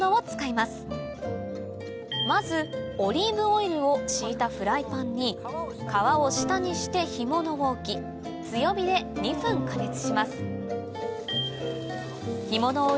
まずオリーブオイルを引いたフライパンに皮を下にして干物を置き強火で２分加熱します